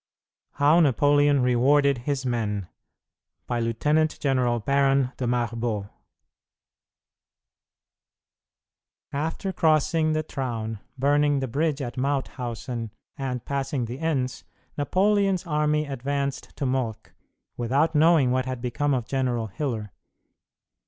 HOW NAPOLEON REWARDED HIS MEN By Lieutenant General Baron de Marbot After crossing the Traun, burning the bridge at Mauthhausen, and passing the Enns, Napoleon's army advanced to Mölk, without knowing what had become of General Hiller.